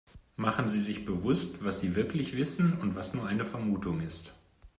Machen Sie sich bewusst, was sie wirklich wissen und was nur eine Vermutung ist.